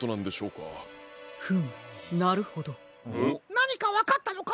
なにかわかったのか？